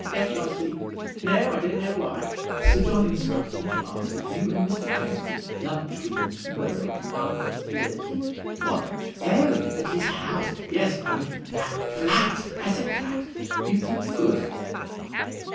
Left last week. No, I don't know why. Sir John instructs me to ask if you and Mr. Trent could lunch with him to morrow at wun thirty? What? Oh! At his house. Yes. I mean flat. Flat! I said flat. You think you could?"